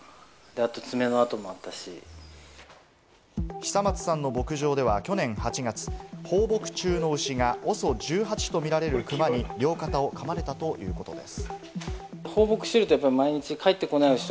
久松さんの牧場では去年８月、放牧中の牛がＯＳＯ１８とみられるクマに両肩を噛まれたということです。